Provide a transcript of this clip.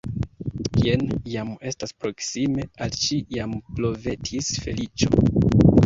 Jen jam estas proksime, al ŝi jam blovetis feliĉo.